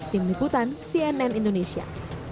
tim liputan cnn indonesia